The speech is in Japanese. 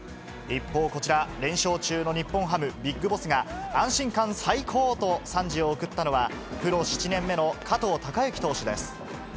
一方、こちら、連勝中の日本ハム、ＢＩＧＢＯＳＳが、安心感最高と賛辞を送ったのは、プロ７年目の加藤貴之投手です。